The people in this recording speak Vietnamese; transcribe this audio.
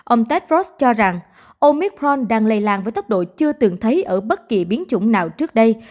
ông tedrost cho rằng omicron đang lây lan với tốc độ chưa từng thấy ở bất kỳ biến chủng nào trước đây